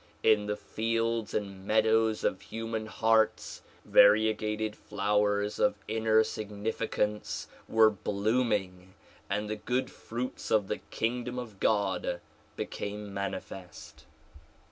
In the fields and meadows of human hearts variegated flowers of inner significance were blooming and the good fruits of the king dom of God became manifest.